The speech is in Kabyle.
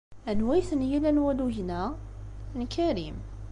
Anwa ay ten-ilan walugen-a? N Karim.